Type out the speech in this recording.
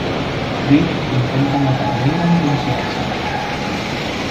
Rick intenta matar a Negan con su hacha.